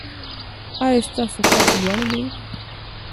ایا ستاسو قد لوړ دی؟